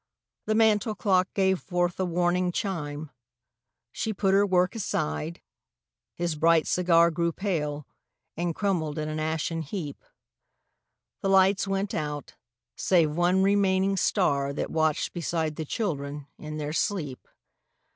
The mantel clock gave forth a warning chime. She put her work aside; his bright cigar Grew pale, and crumbled in an ashen heap. The lights went out, save one remaining star That watched beside the children in their sleep.